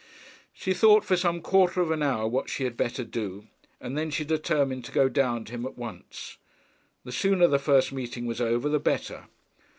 She thought for some quarter of an hour what she had better do, and then she determined to go down to him at once. The sooner the first meeting was over the better.